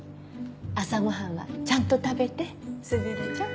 朝ご飯はちゃんと食べて卓ちゃん。